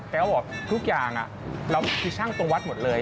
เขาบอกทุกอย่างเราคือช่างตรงวัดหมดเลย